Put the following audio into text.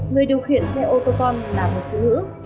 người điều khiển xe ô tô con là một phụ nữ